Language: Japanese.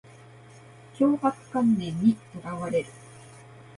強迫観念にとらわれる